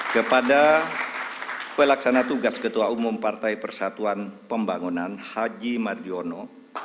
kepada pelaksana tugas ketua umum partai persatuan pembangunan haji marjono